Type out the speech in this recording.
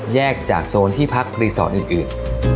แยกจากโซนที่พักรีสอร์ทอื่น